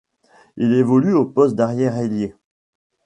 Il évolue au poste d'arrière-ailier.